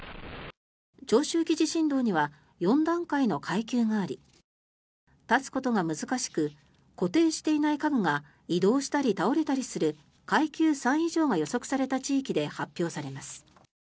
長周期地震動には４段階の階級があり立つことが難しく固定していない家具が移動したり倒れたりする階級３以上が予測された地域で発表されます。